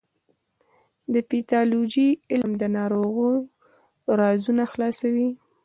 د پیتالوژي علم د ناروغیو رازونه خلاصوي.